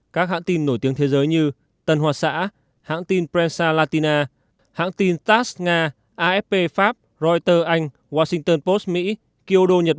các hãng tin nổi tiếng thế giới như tân hoa xã hãng tin prensa latina hãng tin tas nga afp pháp reuters anh washington post mỹ